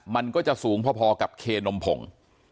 มันก็จะสูงพอกับเคนมผง